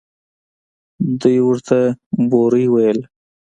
دوى ورته بوړۍ ويله.